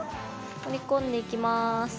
折り込んでいきます。